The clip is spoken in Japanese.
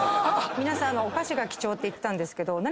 皆さんお菓子が貴重って言ってたんですけど。